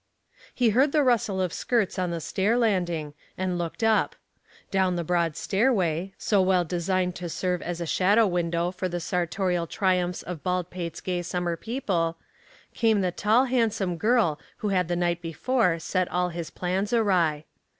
He heard the rustle of skirts on the stair landing, and looked up. Down the broad stairway, so well designed to serve as a show window for the sartorial triumphs of Baldpate's gay summer people, came the tall handsome girl who had the night before set all his plans awry.